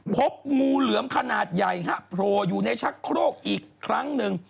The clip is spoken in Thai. พบงูเหลือมขนาดใหญ่ฮะโผล่อยู่ในชักโครกอีกครั้งหนึ่ง